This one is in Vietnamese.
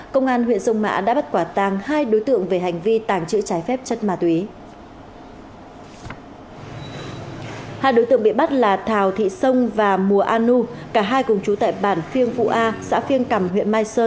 công an huyện sông mã đã bắt quả tàng hai đối tượng về hành vi tàng trữ trái phép chất ma túy